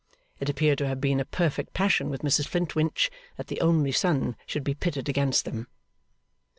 It appeared to have become a perfect passion with Mrs Flintwinch, that the only son should be pitted against them.